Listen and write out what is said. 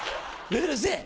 うるせぇ！